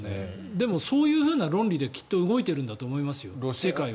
でも、そういう論理できっと動いてるんだろうと思いますよ、世界は。